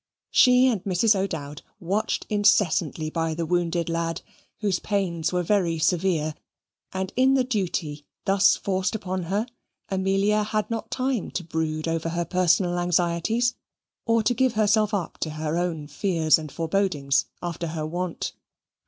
She and Mrs. O'Dowd watched incessantly by the wounded lad, whose pains were very severe, and in the duty thus forced upon her, Amelia had not time to brood over her personal anxieties, or to give herself up to her own fears and forebodings after her wont.